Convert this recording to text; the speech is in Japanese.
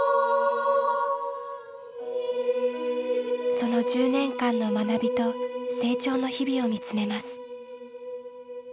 その１０年間の学びと成長の日々を見つめます。